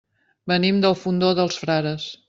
Venim del Fondó dels Frares.